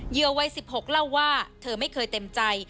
วัย๑๖เล่าว่าเธอไม่เคยเต็มใจ